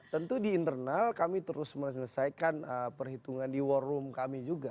tentu di internal kami terus menyelesaikan perhitungan di war room kami juga